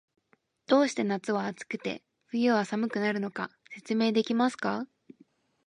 どうして夏は暑くて、冬は寒くなるのか、説明できますか？